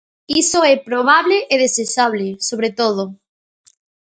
Iso é probable e desexable, sobre todo.